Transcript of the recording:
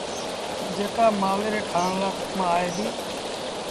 جيڪآ مآل ري کآڻ لآ ڪم آئي ديٚ۔